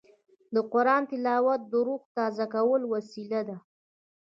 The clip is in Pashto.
د قرآن تلاوت د روح تازه کولو وسیله ده.